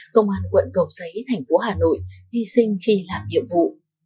công an tp hcm hy sinh khi làm nhiệm vụ